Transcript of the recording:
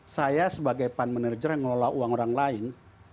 saya sebagai pan manager yang ngelola uang orang lain